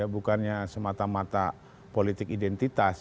bukannya semata mata politik identitas